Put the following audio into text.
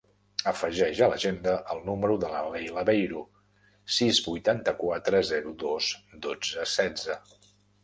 Afegeix a l'agenda el número de la Leila Beiro: sis, vuitanta-quatre, zero, dos, dotze, setze.